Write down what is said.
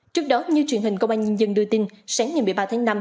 trước đó như truyền hình công an nhân dân đưa tin sáng ngày một mươi ba tháng năm